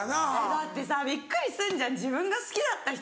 だってさびっくりすんじゃん自分が好きだった人だよ。